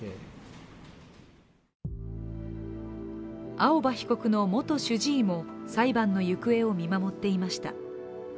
青葉被告の元主治医も裁判の行方を見守っていました。